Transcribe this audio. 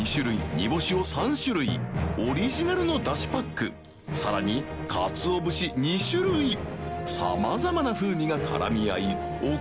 煮干しを３種類オリジナルのだしパック垢かつお節２種類さまざまな風味が絡み合い[新]